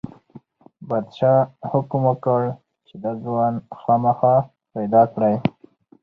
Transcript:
پادشاه حکم وکړ چې دا ځوان خامخا پیدا کړئ.